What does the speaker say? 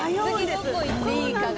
次どこ行っていいかが。